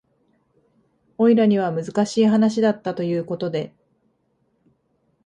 オイラには難しい話だったということで